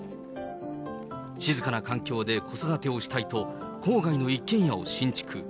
静かな環境で子育てをしたいと、郊外の一軒家を新築。